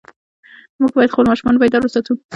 موږ باید خپل ماشومان بیدار وساتو.